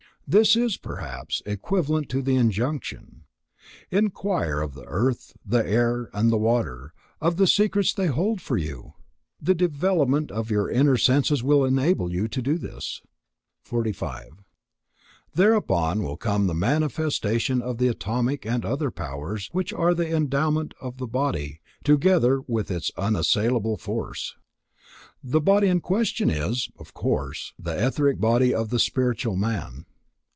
This is, perhaps, equivalent to the injunction: "Inquire of the earth, the air, and the water, of the secrets they hold for you. The development of your inner senses will enable you to do this." 45. Thereupon will come the manifestation of the atomic and other powers, which are the endowment of the body, together with its unassailable force. The body in question is, of course, the etheric body of the spiritual man.